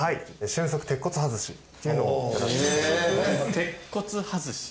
瞬速鉄骨外し？